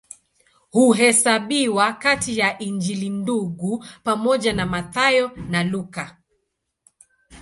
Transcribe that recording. Huhesabiwa kati ya Injili Ndugu pamoja na Mathayo na Luka.